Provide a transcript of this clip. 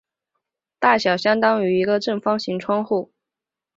大小相当于一个正方形窗户。